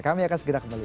kami akan segera kembali